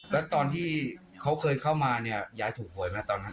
แล้วตอนที่เขาเคยเข้ามาเนี่ยยายถูกหวยไหมตอนนั้น